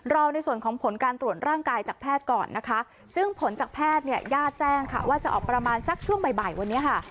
รอในส่วนของผลการตรวจร่างกายจากแพทย์ก่อนนะคะซึ่งผลจากแพทย์เนี่ยญาติแจ้งค่ะว่าจะออกประมาณสักช่วงบ่ายวันนี้ค่ะ